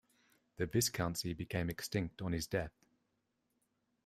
The Viscountcy became extinct on his death.